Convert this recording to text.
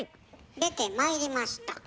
出てまいりました。